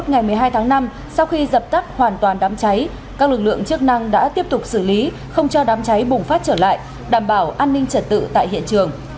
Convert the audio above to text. ngày một mươi hai tháng năm sau khi dập tắt hoàn toàn đám cháy các lực lượng chức năng đã tiếp tục xử lý không cho đám cháy bùng phát trở lại đảm bảo an ninh trật tự tại hiện trường